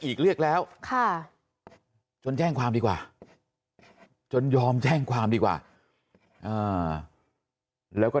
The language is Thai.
อีกเรียกแล้วจนแจ้งความดีกว่าจนยอมแจ้งความดีกว่าแล้วก็